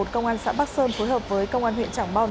công an xã bắc sơn phối hợp với công an huyện trảng bom